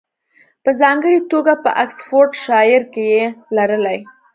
په ځانګړې توګه په اکسفورډشایر کې یې لرلې